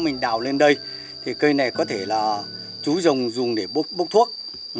mình đào lên đây thì cây này có thể là chú rồng dùng để bốc thuốc